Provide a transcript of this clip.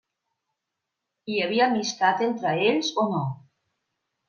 Hi havia amistat entre ells o no?